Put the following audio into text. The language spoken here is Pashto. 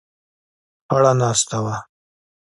خړه ناسته وه.